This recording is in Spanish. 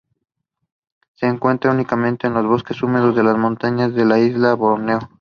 Se encuentra únicamente en los bosques húmedos de montaña de la isla de Borneo.